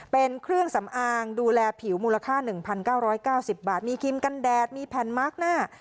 เป็นเครื่องสำอางดูแลผิวมูลค่า๑๙๙๐บาทมีครีมกันแดดมีแผ่นมาร์คหน้า